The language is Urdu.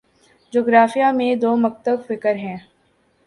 جغرافیہ میں دو مکتب فکر ہیں